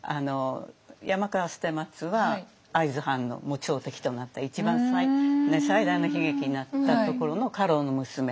山川捨松は会津藩の朝敵となった一番最大の悲劇になったところの家老の娘。